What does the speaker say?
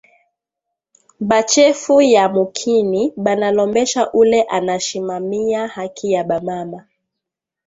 Ba chefu ya mukini bana lombesha ule ana shimamiya haki ya ba mama